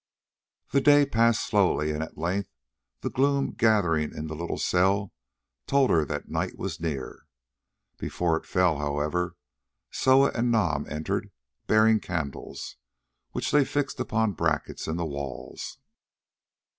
The day passed slowly, and at length the gloom gathering in the little cell told her that night was near. Before it fell, however, Soa and Nam entered, bearing candles, which they fixed upon brackets in the walls.